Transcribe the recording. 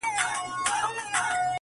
څوټپې نمکیني څو غزل خواږه خواږه لرم.